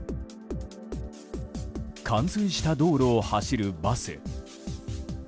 冠水した道路を走るバス。